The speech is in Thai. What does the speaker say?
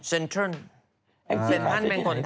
เซ็นเทิร์นเป็นคนทำ